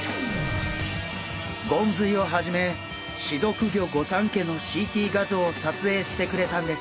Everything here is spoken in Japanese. ゴンズイをはじめ刺毒魚御三家のＣＴ画像を撮影してくれたんです。